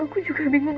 aku juga bingung